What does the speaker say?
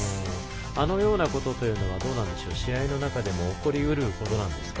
あのようなことは試合の中でも起こり得ることなんですか？